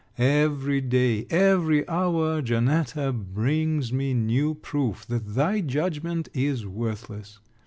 Every day, every hour, Janetta brings me new proof that thy judgment is worthless.